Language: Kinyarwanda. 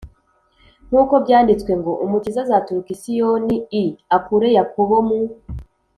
Nk uko byanditswe ngo umukiza azaturuka i Siyoni i akure Yakobo mu